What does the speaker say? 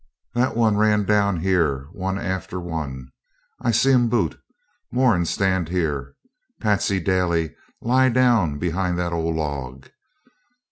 'That one ran down here one after one. I see 'em boot. Moran stand here. Patsey Daly lie down behind that ole log.